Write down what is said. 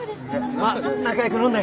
まあ仲良く飲んで。